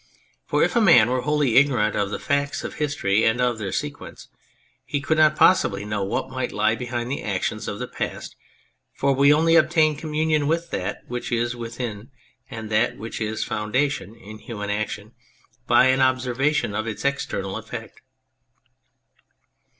For if a man were wholly ignorant of the facts of history and of their sequence, he could not possibly know what might lie behind the actions of the past, for we only obtain communion with that which is within and that which is foundational in human action by an observation of its external effect.